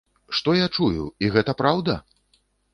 Што я чую, і гэта праўда?